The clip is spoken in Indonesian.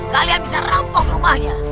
kalian bisa rampok rumahnya